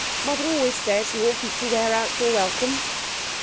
Mother always says you oughtn't to wear out your welcome!"